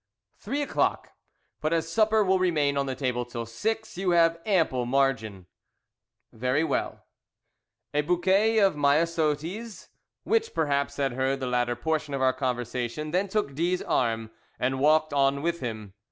"Three o'clock; but as supper will remain on table till six you have ample margin." "Very well." A bouquet of myosotis, which perhaps had heard the latter portion of our conversation, then took D 's arm and walked on with him.